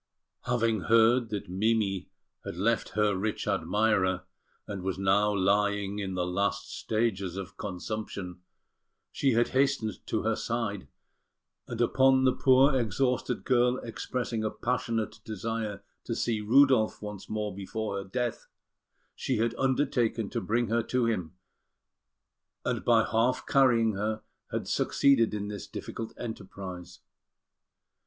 Having heard that Mimi had left her rich admirer, and was now lying in the last stages of consumption, she had hastened to her side; and upon the poor exhausted girl expressing a passionate desire to see Rudolf once more before her death, she had undertaken to bring her to him, and by half carrying her had succeeded in this difficult enterprise.